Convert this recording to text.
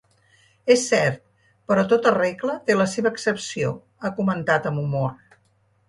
És cert, però tota regla té la seva excepció, ha comentat amb humor.